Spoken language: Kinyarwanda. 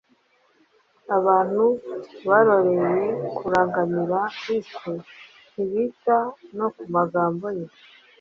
abantu barorereye kurangamira kristo, ntibita no ku magambo ye